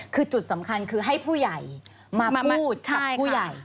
คือจุดสำคัญคือให้ผู้ใหญ่มาพูดกับผู้ใหญ่